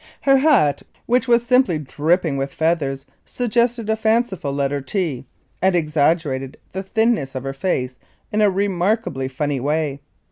Her hat which was simply "dripping" with feathers suggested a fanciful letter "T" and exaggerated the thinness of her face in a remarkably funny way.